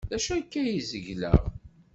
D acu akka ay zegleɣ?